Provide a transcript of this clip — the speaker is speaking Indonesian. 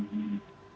terima kasih pak budi